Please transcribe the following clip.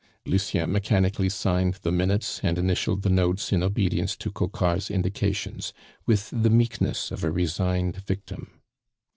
Lucien mechanically signed the minutes and initialed the notes in obedience to Coquart's indications with the meekness of a resigned victim.